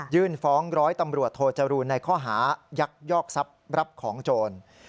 ฟ้องร้อยตำรวจโทจรูนในข้อหายักยอกทรัพย์รับของโจร